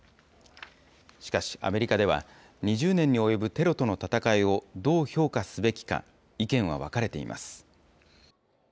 しかしアメリカでは、２０年に及ぶテロとの戦いをどう評価すべきか、意見は分かれています。